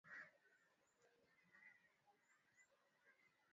matembele ya kiazi lishe yawekwe limao ili kusaidia ufyonzaji wa madini ya chuma